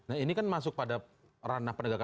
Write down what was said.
nah ini kan masuk pada ranah penegakan